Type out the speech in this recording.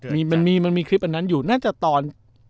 มันมีมันมีคลิปอันนั้นอยู่น่าจะตอน